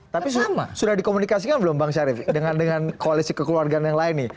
tapi sudah dikomunikasikan belum bang syarif dengan koalisi kekeluargaan yang lain nih